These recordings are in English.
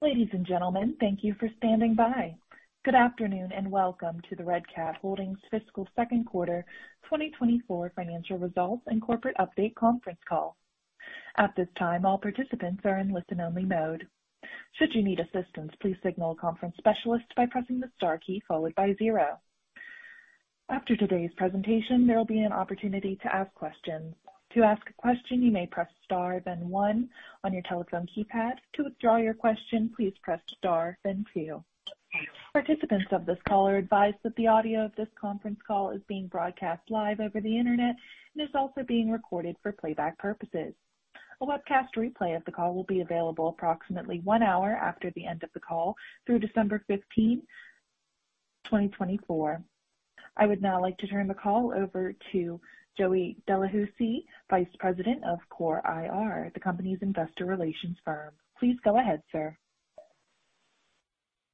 Ladies and gentlemen, thank you for standing by. Good afternoon, and welcome to the Red Cat Holdings Fiscal Second Quarter 2024 Financial Results and Corporate Update conference call. At this time, all participants are in listen-only mode. Should you need assistance, please signal a conference specialist by pressing the star key followed by zero. After today's presentation, there will be an opportunity to ask questions. To ask a question, you may press star then one on your telephone keypad. To withdraw your question, please press star then two. Participants of this call are advised that the audio of this conference call is being broadcast live over the Internet and is also being recorded for playback purposes. A webcast replay of the call will be available approximately one hour after the end of the call through December fifteenth, twenty twenty-four. I would now like to turn the call over to Joey Delahoussaye, Vice President of Core IR, the company's investor relations firm. Please go ahead, sir.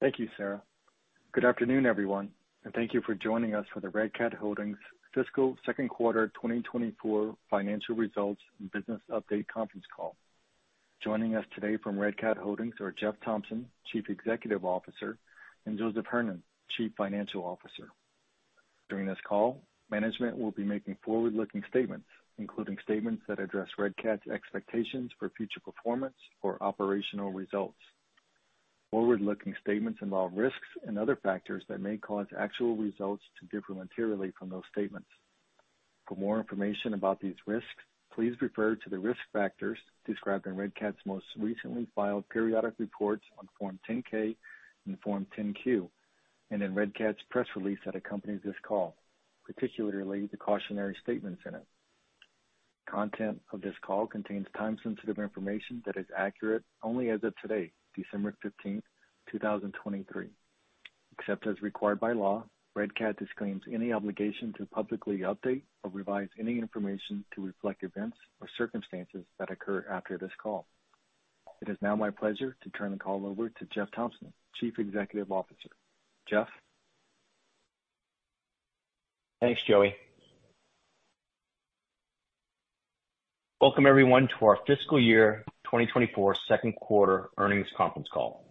Thank you, Sarah. Good afternoon, everyone, and thank you for joining us for the Red Cat Holdings Fiscal Second Quarter 2024 Financial Results and Business Update conference call. Joining us today from Red Cat Holdings are Jeff Thompson, Chief Executive Officer, and Joseph Hernon, Chief Financial Officer. During this call, management will be making forward-looking statements, including statements that address Red Cat's expectations for future performance or operational results. Forward-looking statements involve risks and other factors that may cause actual results to differ materially from those statements. For more information about these risks, please refer to the risk factors described in Red Cat's most recently filed periodic reports on Form 10-K and Form 10-Q, and in Red Cat's press release that accompanies this call, particularly the cautionary statements in it. Content of this call contains time-sensitive information that is accurate only as of today, December 15, 2023. Except as required by law, Red Cat disclaims any obligation to publicly update or revise any information to reflect events or circumstances that occur after this call. It is now my pleasure to turn the call over to Jeff Thompson, Chief Executive Officer. Jeff? Thanks, Joey. Welcome, everyone, to our fiscal year 2024 second quarter earnings conference call.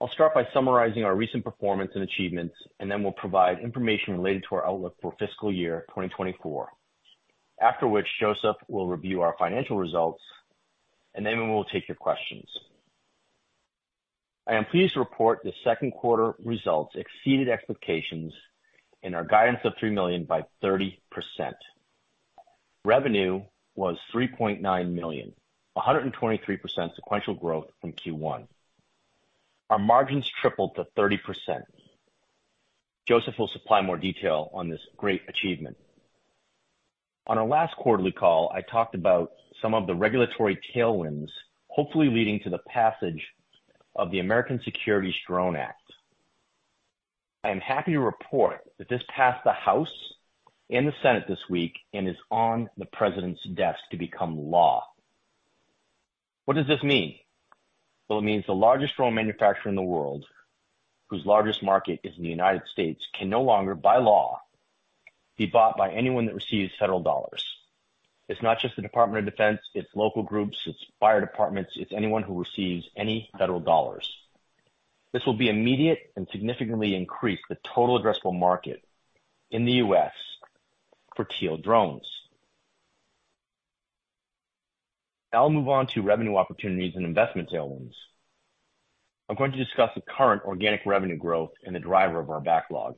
I'll start by summarizing our recent performance and achievements, and then we'll provide information related to our outlook for fiscal year 2024. After which Joseph will review our financial results, and then we will take your questions. I am pleased to report the second quarter results exceeded expectations in our guidance of $3 million by 30%. Revenue was $3.9 million, 123% sequential growth from Q1. Our margins tripled to 30%. Joseph will supply more detail on this great achievement. On our last quarterly call, I talked about some of the regulatory tailwinds, hopefully leading to the passage of the American Security Drone Act. I am happy to report that this passed the House and the Senate this week and is on the President's desk to become law. What does this mean? Well, it means the largest drone manufacturer in the world, whose largest market is in the United States, can no longer, by law, be bought by anyone that receives federal dollars. It's not just the Department of Defense, it's local groups, it's fire departments, it's anyone who receives any federal dollars. This will be immediate and significantly increase the total addressable market in the U.S. for Teal Drones. Now I'll move on to revenue opportunities and investment tailwinds. I'm going to discuss the current organic revenue growth and the driver of our backlog.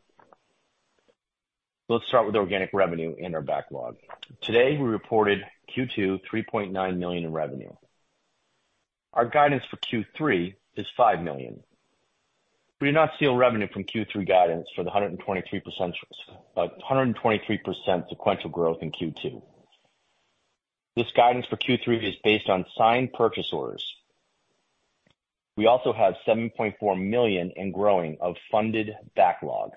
Let's start with organic revenue and our backlog. Today, we reported Q2 $3.9 million in revenue. Our guidance for Q3 is $5 million. We do not see all revenue from Q3 guidance for the 123%, 123% sequential growth in Q2. This guidance for Q3 is based on signed purchase orders. We also have $7.4 million in growing of funded backlog.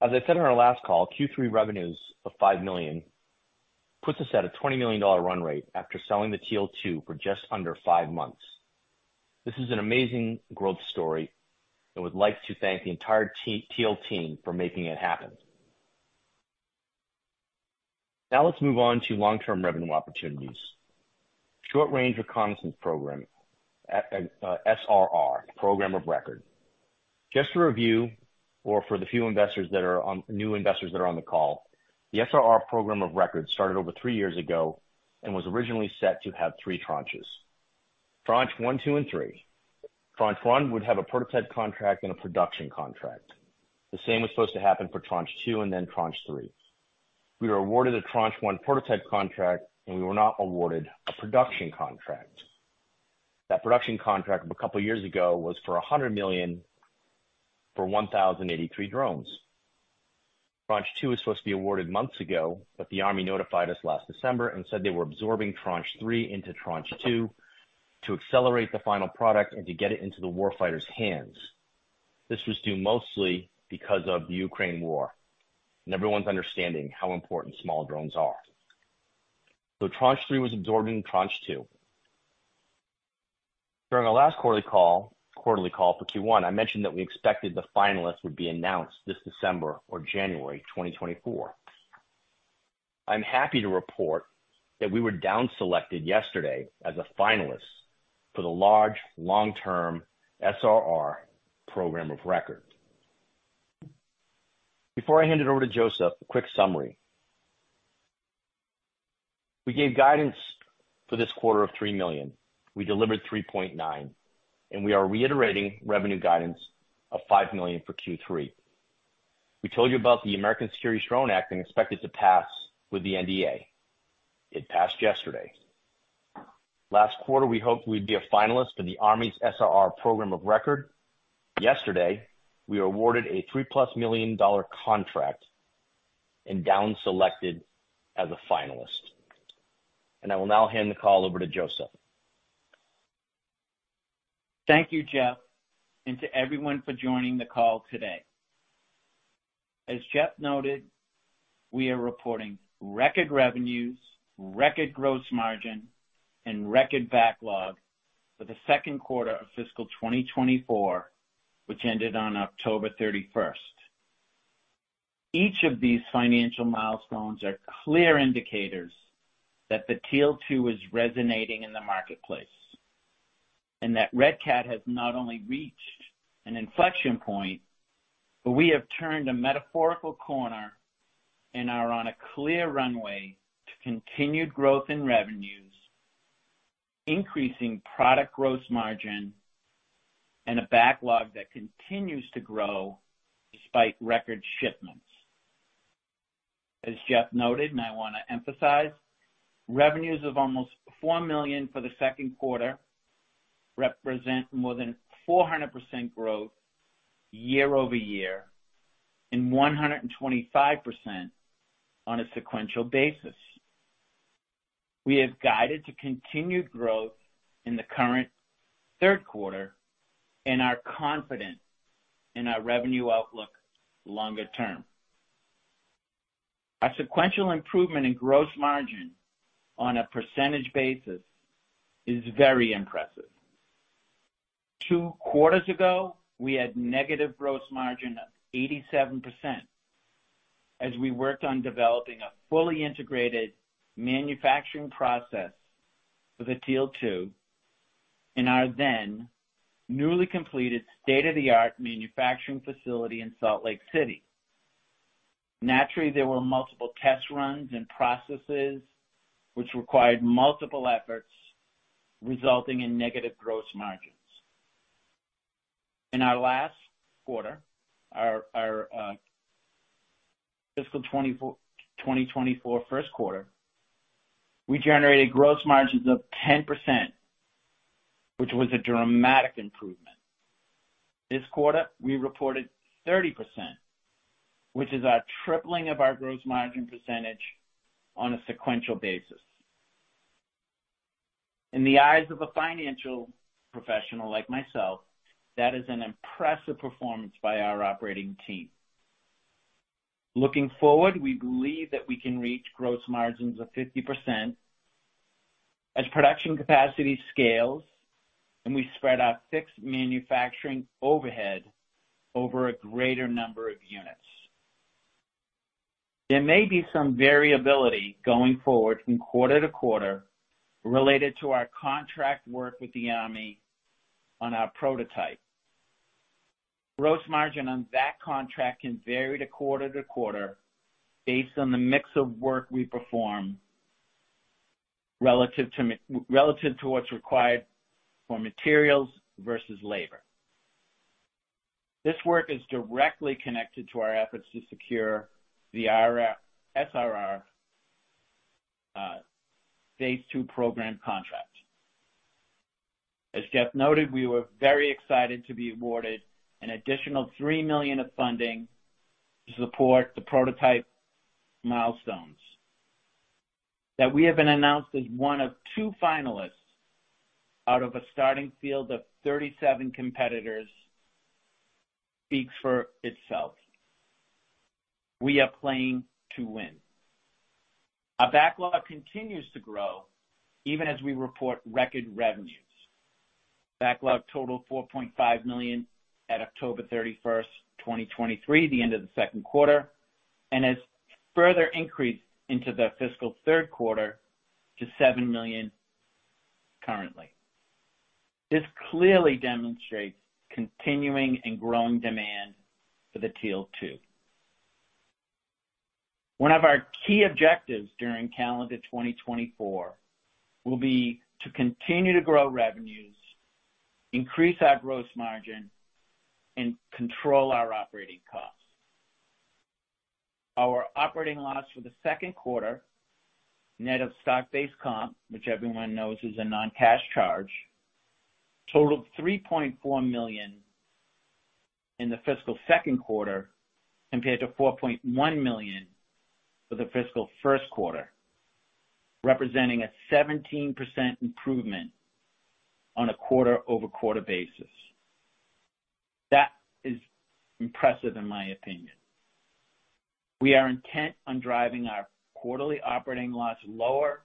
As I said on our last call, Q3 revenues of $5 million puts us at a $20 million run rate after selling the Teal two for just under five months. This is an amazing growth story, and would like to thank the entire Teal team for making it happen. Now, let's move on to long-term revenue opportunities. Short-Range reconnaissance program, SRR, program of record. Just to review, or for the few investors that are on the call, new investors that are on the call, the SRR program of record started over three years ago and was originally set to have three tranches. Tranche one, two, and three. Tranche one would have a prototype contract and a production contract. The same was supposed to happen for Tranche two and then Tranche 3. We were awarded a Tranche one prototype contract, and we were not awarded a production contract. That production contract a couple of years ago was for $100 million for 1,083 drones. Tranche two was supposed to be awarded months ago, but the Army notified us last December and said they were absorbing Tranche three into Tranche two to accelerate the final product and to get it into the war fighters' hands. This was due mostly because of the Ukraine war and everyone's understanding how important small drones are. So Tranche three was absorbed in Tranche two. During our last quarterly call, quarterly call for Q1, I mentioned that we expected the finalists would be announced this December or January 2024.... I'm happy to report that we were down selected yesterday as a finalist for the large, long-term SRR program of record. Before I hand it over to Joseph, a quick summary. We gave guidance for this quarter of $3 million. We delivered $3.9 million, and we are reiterating revenue guidance of $5 million for Q3. We told you about the American Security Drone Act and expected to pass with the NDAA. It passed yesterday. Last quarter, we hoped we'd be a finalist for the Army's SRR program of record. Yesterday, we were awarded a $3+ million-dollar contract and down selected as a finalist. I will now hand the call over to Joseph. Thank you, Jeff, and to everyone for joining the call today. As Jeff noted, we are reporting record revenues, record gross margin, and record backlog for the second quarter of fiscal 2024, which ended on October 31st. Each of these financial milestones are clear indicators that the Teal two is resonating in the marketplace, and that Red Cat has not only reached an inflection point, but we have turned a metaphorical corner and are on a clear runway to continued growth in revenues, increasing product gross margin, and a backlog that continues to grow despite record shipments. As Jeff noted, and I want to emphasize, revenues of almost $4 million for the second quarter represent more than 400% growth year-over-year and 125% on a sequential basis. We have guided to continued growth in the current third quarter and are confident in our revenue outlook longer term. Our sequential improvement in gross margin on a percentage basis is very impressive. Two quarters ago, we had negative gross margin of 87% as we worked on developing a fully integrated manufacturing process for the Teal two in our then newly completed state-of-the-art manufacturing facility in Salt Lake City. Naturally, there were multiple test runs and processes which required multiple efforts, resulting in negative gross margins. In our last quarter, fiscal 2024 first quarter, we generated gross margins of 10%, which was a dramatic improvement. This quarter, we reported 30%, which is a tripling of our gross margin percentage on a sequential basis. In the eyes of a financial professional like myself, that is an impressive performance by our operating team. Looking forward, we believe that we can reach gross margins of 50% as production capacity scales and we spread out fixed manufacturing overhead over a greater number of units. There may be some variability going forward from quarter to quarter related to our contract work with the Army on our prototype. Gross margin on that contract can vary to quarter to quarter based on the mix of work we perform relative to relative to what's required for materials versus labor. This work is directly connected to our efforts to secure the RF-SRR phase two program contract. As Jeff noted, we were very excited to be awarded an additional $3 million of funding to support the prototype milestones. That we have been announced as one of two finalists out of a starting field of 37 competitors speaks for itself. We are playing to win. Our backlog continues to grow even as we report record revenues. Backlog totaled $4.5 million at October 31, 2023, the end of the second quarter, and has further increased into the fiscal third quarter to $7 million currently. This clearly demonstrates continuing and growing demand for the Teal 2. One of our key objectives during calendar 2024 will be to continue to grow revenues, increase our gross margin, and control our operating costs. Our operating loss for the second quarter, net of stock-based comp, which everyone knows is a non-cash charge, totaled $3.4 million in the fiscal second quarter, compared to $4.1 million for the fiscal first quarter, representing a 17% improvement on a quarter-over-quarter basis. That is impressive in my opinion. We are intent on driving our quarterly operating loss lower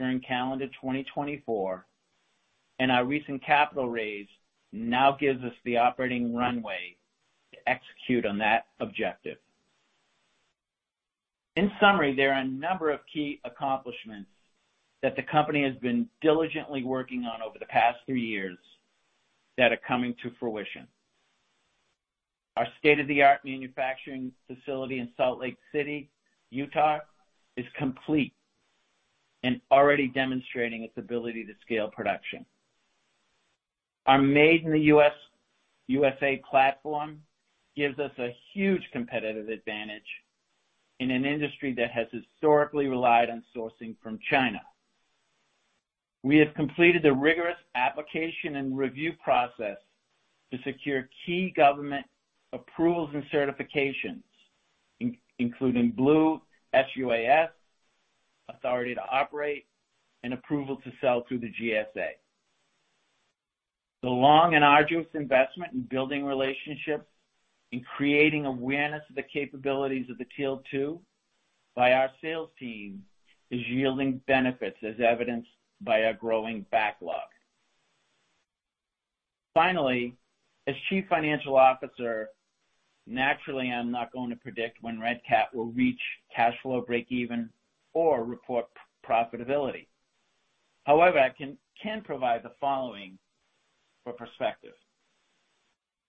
during calendar 2024.... and our recent capital raise now gives us the operating runway to execute on that objective. In summary, there are a number of key accomplishments that the company has been diligently working on over the past three years that are coming to fruition. Our state-of-the-art manufacturing facility in Salt Lake City, Utah, is complete and already demonstrating its ability to scale production. Our Made in the USA platform gives us a huge competitive advantage in an industry that has historically relied on sourcing from China. We have completed a rigorous application and review process to secure key government approvals and certifications, including Blue sUAS, Authority to Operate and approval to sell through the GSA. The long and arduous investment in building relationships, in creating awareness of the capabilities of the Teal two by our sales team, is yielding benefits as evidenced by our growing backlog. Finally, as Chief Financial Officer, naturally, I'm not going to predict when Red Cat will reach cash flow breakeven or report profitability. However, I can provide the following for perspective.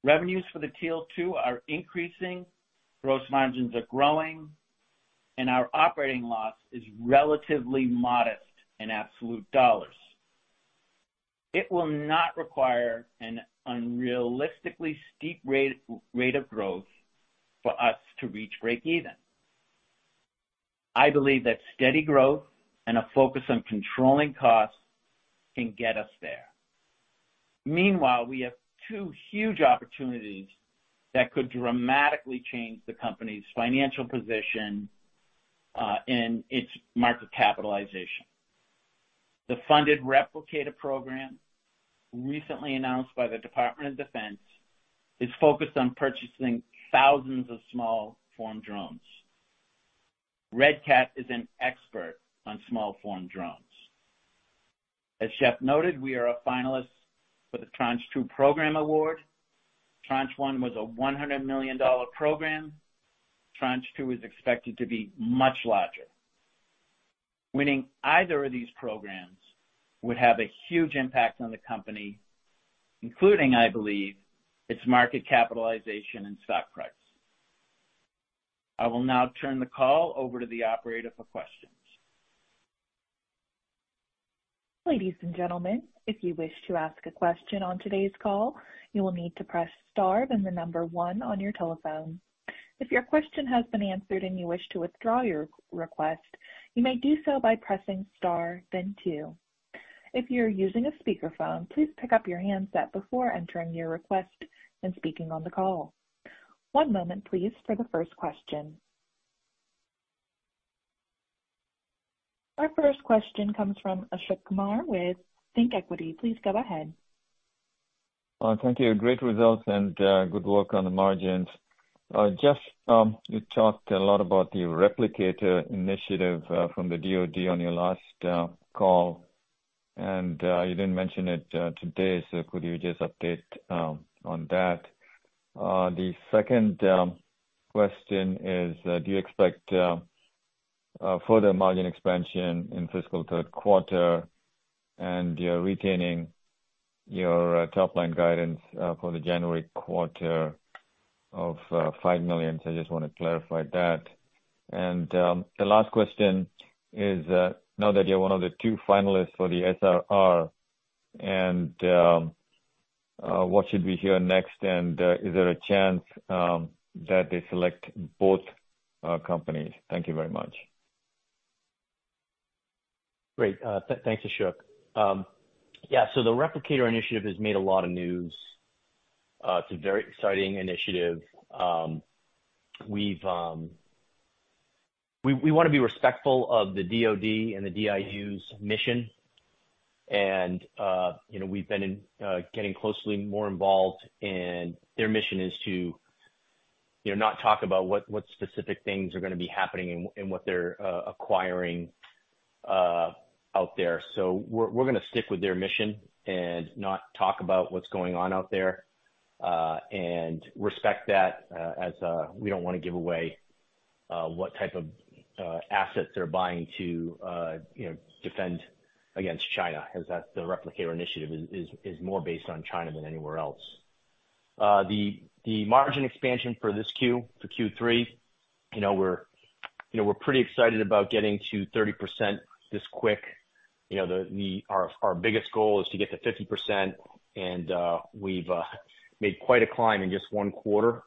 Revenues for the Teal two are increasing, gross margins are growing, and our operating loss is relatively modest in absolute dollars. It will not require an unrealistically steep rate of growth for us to reach breakeven. I believe that steady growth and a focus on controlling costs can get us there. Meanwhile, we have two huge opportunities that could dramatically change the company's financial position and its market capitalization. The funded Replicator program, recently announced by the Department of Defense, is focused on purchasing thousands of small form drones. Red Cat is an expert on small form drones. As Jeff noted, we are a finalist for the Tranche two program award. Tranche One was a $100 million program. Tranche Two is expected to be much larger. Winning either of these programs would have a huge impact on the company, including, I believe, its market capitalization and stock price. I will now turn the call over to the operator for questions. Ladies and gentlemen, if you wish to ask a question on today's call, you will need to press star then the number one on your telephone. If your question has been answered and you wish to withdraw your request, you may do so by pressing star then two. If you're using a speakerphone, please pick up your handset before entering your request and speaking on the call. One moment please, for the first question. Our first question comes from Ashok Kumar with ThinkEquity. Please go ahead. Thank you. Great results and good work on the margins. Just, you talked a lot about the Replicator initiative from the DoD on your last call, and you didn't mention it today. So could you just update on that? The second question is, do you expect further margin expansion in fiscal third quarter and you're retaining your top line guidance for the January quarter of $5 million? So I just want to clarify that. And the last question is, now that you're one of the two finalists for the SRR and what should we hear next, and is there a chance that they select both companies? Thank you very much. Great. Thanks, Ashok. Yeah, so the Replicator initiative has made a lot of news. It's a very exciting initiative. We want to be respectful of the DoD and the DIU's mission. And, you know, we've been getting more closely involved, and their mission is to, you know, not talk about what specific things are gonna be happening and what they're acquiring out there. So we're gonna stick with their mission and not talk about what's going on out there and respect that, as we don't want to give away what type of assets they're buying to, you know, defend against China, as that's the Replicator initiative is more based on China than anywhere else. The margin expansion for this Q, for Q3, you know, we're pretty excited about getting to 30% this quick. You know, our biggest goal is to get to 50%, and we've made quite a climb in just one quarter.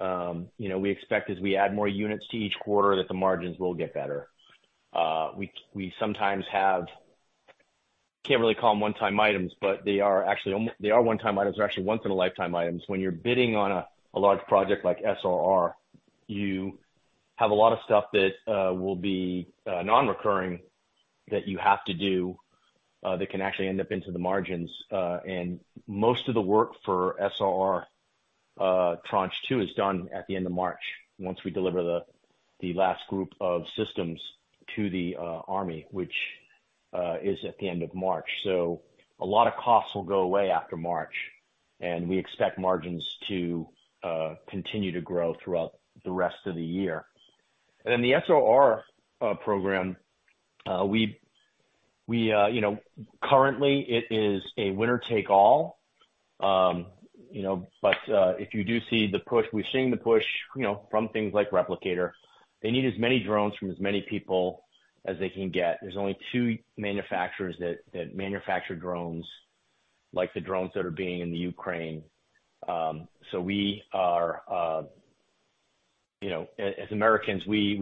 You know, we expect as we add more units to each quarter, that the margins will get better. We sometimes have, can't really call them one-time items, but they are actually one-time items. They're actually once in a lifetime items. When you're bidding on a large project like SRR, you have a lot of stuff that will be non-recurring, that you have to do, that can actually end up into the margins. And most of the work for SRR ... Tranche two is done at the end of March, once we deliver the last group of systems to the army, which is at the end of March. So a lot of costs will go away after March, and we expect margins to continue to grow throughout the rest of the year. And then the SRR program, we you know, currently it is a winner take all. You know, but if you do see the push, we've seen the push, you know, from things like Replicator. They need as many drones from as many people as they can get. There's only two manufacturers that manufacture drones, like the drones that are being in the Ukraine. So we are you know, as Americans, we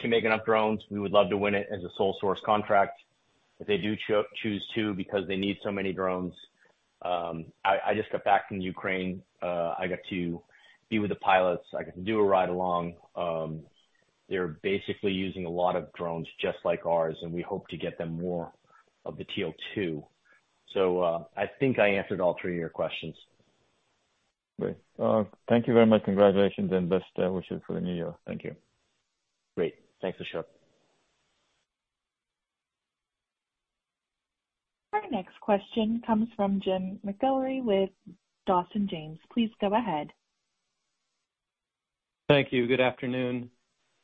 can make enough drones. We would love to win it as a sole source contract. If they do choose two because they need so many drones, I just got back from Ukraine. I got to be with the pilots. I got to do a ride along. They're basically using a lot of drones just like ours, and we hope to get them more of the Teal 2. So, I think I answered all three of your questions. Great. Thank you very much. Congratulations and best wishes for the new year. Thank you. Great. Thanks, Ashok. Our next question comes from Jim McIlvaine with Dawson James. Please go ahead. Thank you. Good afternoon.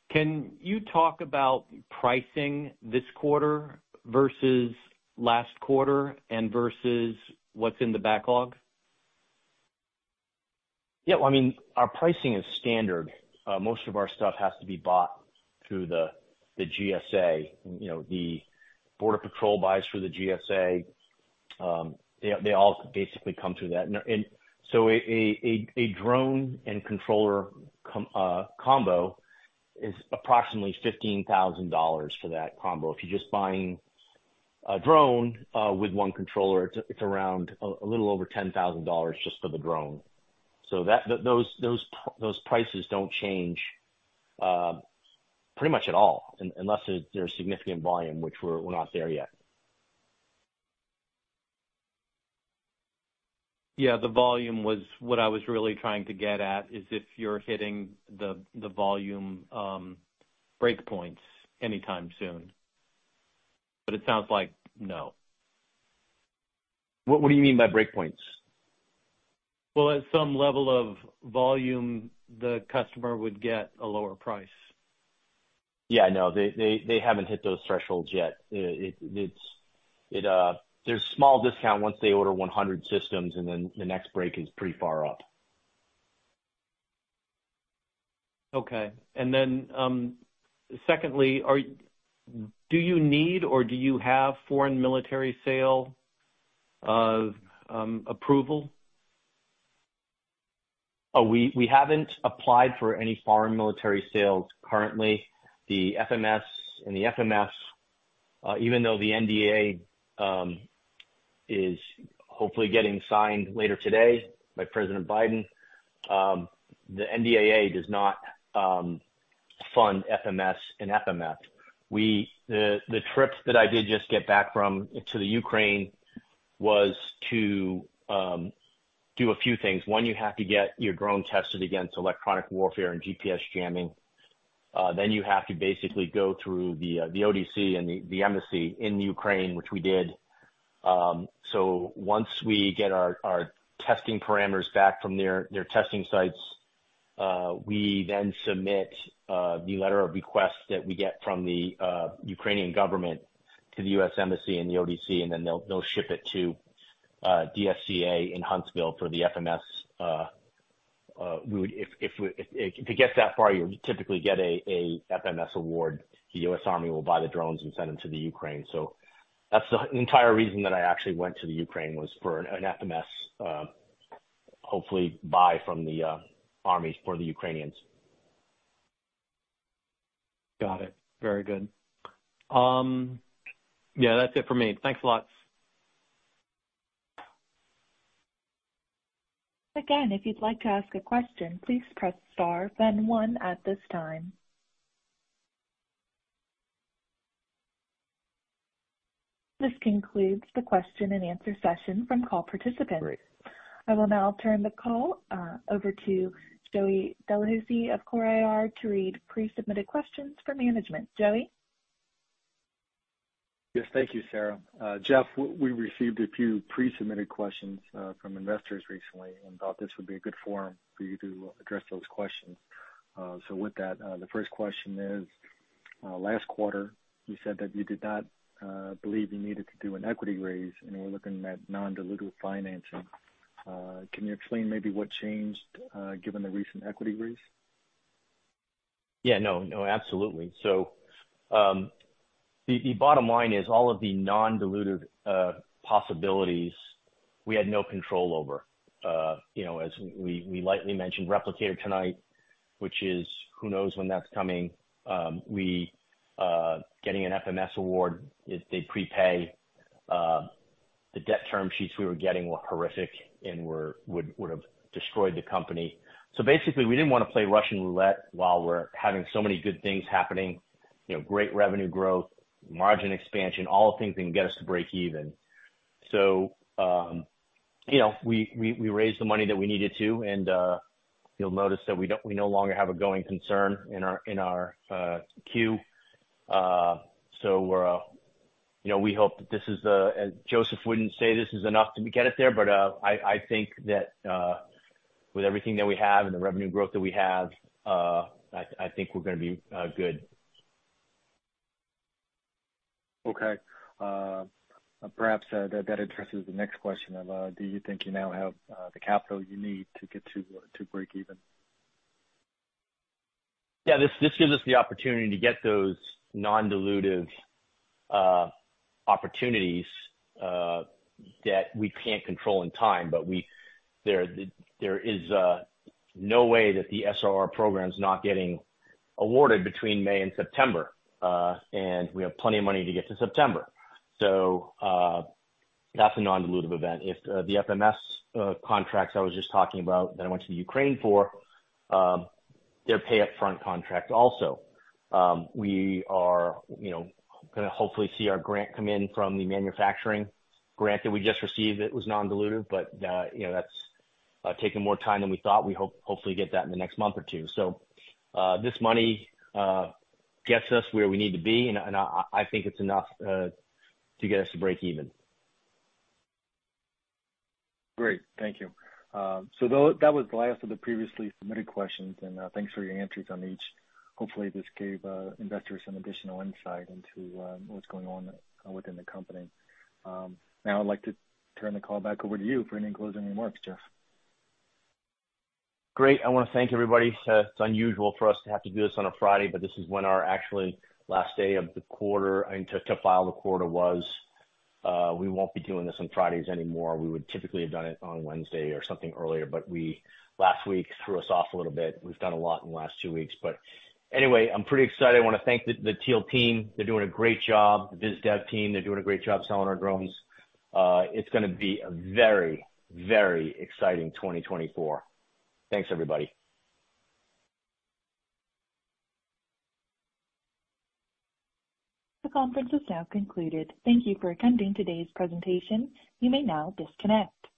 Can you talk about pricing this quarter versus last quarter and versus what's in the backlog? Yeah, well, I mean, our pricing is standard. Most of our stuff has to be bought through the GSA. You know, the border patrol buys through the GSA. They all basically come through that. And so a drone and controller combo is approximately $15,000 for that combo. If you're just buying a drone with one controller, it's around a little over $10,000 just for the drone. So those prices don't change pretty much at all unless there's significant volume, which we're not there yet. Yeah, the volume was what I was really trying to get at, is if you're hitting the volume breakpoints anytime soon, but it sounds like no. What, what do you mean by breakpoints? Well, at some level of volume, the customer would get a lower price. Yeah, I know. They haven't hit those thresholds yet. There's small discount once they order 100 systems, and then the next break is pretty far up. Okay. And then, secondly, do you need or do you have Foreign Military Sales approval? We haven't applied for any foreign military sales currently. The FMS and the FMF, even though the NDA is hopefully getting signed later today by President Biden, the NDAA does not fund FMS and FMF. We, the trip that I did just get back from to the Ukraine was to do a few things. One, you have to get your drone tested against electronic warfare and GPS jamming. Then you have to basically go through the ODC and the embassy in Ukraine, which we did. So once we get our testing parameters back from their testing sites, we then submit the letter of request that we get from the Ukrainian government to the U.S. Embassy and the ODC, and then they'll ship it to DSCA in Huntsville for the FMS. We would—if it gets that far, you typically get a FMS award. The U.S. Army will buy the drones and send them to the Ukraine. So that's the entire reason that I actually went to the Ukraine, was for an FMS, hopefully buy from the armies for the Ukrainians. Got it. Very good. Yeah, that's it for me. Thanks a lot. Again, if you'd like to ask a question, please press star then one at this time. This concludes the question and answer session from call participants. Great. I will now turn the call over to Joey Delahoussaye of Core IR to read pre-submitted questions for management. Joey? Yes, thank you, Sarah. Jeff, we received a few pre-submitted questions from investors recently and thought this would be a good forum for you to address those questions. So with that, the first question is, last quarter, you said that you did not believe you needed to do an equity raise, and we're looking at non-dilutive financing. Can you explain maybe what changed, given the recent equity raise? Yeah, no, no, absolutely. So, the bottom line is all of the non-dilutive possibilities we had no control over. You know, as we lightly mentioned Replicator tonight, which is who knows when that's coming. We getting an FMS award, if they prepay, the debt term sheets we were getting were horrific and would have destroyed the company. So basically, we didn't want to play Russian roulette while we're having so many good things happening. You know, great revenue growth, margin expansion, all the things that can get us to breakeven. So, you know, we raised the money that we needed to, and you'll notice that we don't - we no longer have a going concern in our 10-Q. So, we're, you know, we hope that this is the. Joseph wouldn't say this is enough to get us there, but, I, I think that, with everything that we have and the revenue growth that we have, I, I think we're gonna be good. Okay. Perhaps, that addresses the next question of, do you think you now have, the capital you need to get to, to breakeven? Yeah, this gives us the opportunity to get those non-dilutive opportunities that we can't control in time, but there is no way that the SRR program is not getting awarded between May and September. And we have plenty of money to get to September. So, that's a non-dilutive event. If the FMS contracts I was just talking about, that I went to the Ukraine for, they're pay up front contracts also. We are, you know, gonna hopefully see our grant come in from the manufacturing grant that we just received. It was non-dilutive, but, you know, that's taking more time than we thought. We hopefully get that in the next month or two. So, this money gets us where we need to be, and I think it's enough to get us to breakeven. Great. Thank you. So that was the last of the previously submitted questions, and thanks for your answers on each. Hopefully, this gave investors some additional insight into what's going on within the company. Now I'd like to turn the call back over to you for any closing remarks, Jeff. Great. I want to thank everybody. It's unusual for us to have to do this on a Friday, but this is when our actually last day of the quarter and to file the quarter was. We won't be doing this on Fridays anymore. We would typically have done it on Wednesday or something earlier, but we last week threw us off a little bit. We've done a lot in the last two weeks, but anyway, I'm pretty excited. I want to thank the Teal team. They're doing a great job. The BizDev team, they're doing a great job selling our drones. It's gonna be a very, very exciting 2024. Thanks, everybody. The conference is now concluded. Thank you for attending today's presentation. You may now disconnect.